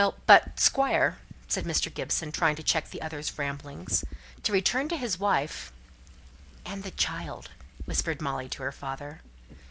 but, Squire," said Mr. Gibson, trying to check the other's rambling, "to return to his wife " "And the child," whispered Molly to her father.